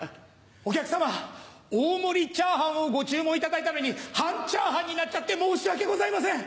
お客様大盛りチャーハンをご注文いただいたのに半チャーハンになっちゃって申し訳ございません。